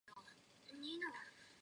秋田県井川町